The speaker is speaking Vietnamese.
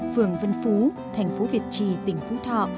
phường vân phú thành phố việt trì tỉnh phú thọ